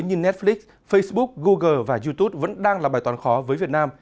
như netflix facebook google và youtube vẫn đang là bài toán khó với việt nam